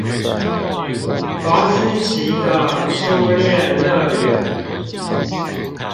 房思琪的初戀樂園